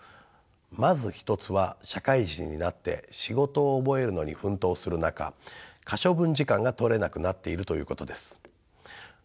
まず１つは社会人になって仕事を覚えるのに奮闘する中可処分時間が取れなくなっているということです。